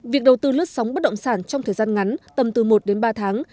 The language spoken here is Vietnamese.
việc đầu tư lướt sóng bất động sản trong thời gian ngắn tầm từ một đến ba tháng